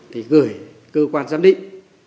thì gửi cơ quan giám định